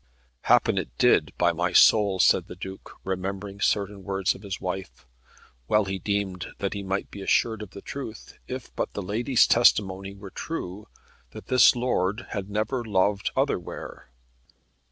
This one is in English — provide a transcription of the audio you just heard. "Happen it did, by my soul," said the Duke, remembering certain words of his wife. Well he deemed that he might be assured of the truth, if but the lady's testimony were true that this lord had never loved otherwhere.